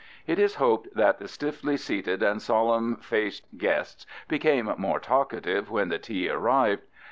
It is hoped that the stiffly seated and solemn faced guests became more talkative when the tea arrived.